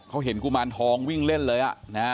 เขาเห็นกุมารทองวิ่งเล่นเลย